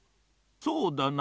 そうだな